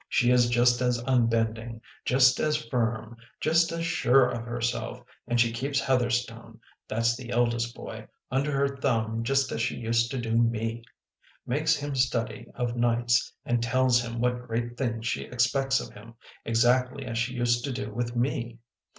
She is just as unbending, just as firm, just as sure of herself, and she keeps Heatherstone, that s the eldest boy, under her thumb just as she used to do me; makes him study of nights and tells him what great things she expects of him, exactly as she used to do with me.